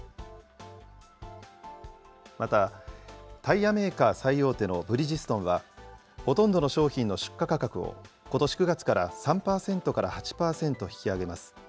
また、タイヤメーカー最大手のブリヂストンは、ほとんどの商品の出荷価格を、ことし９月から３％から８％引き上げます。